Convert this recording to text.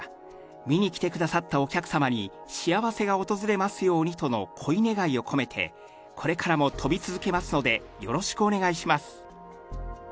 見に来てくださったお客様に幸せが訪れますようにとのこいねがいを込めて、これからもとび続けますのでよろしくお願いします。